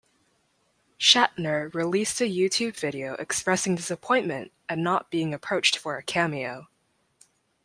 Shatner released a YouTube video expressing disappointment at not being approached for a cameo.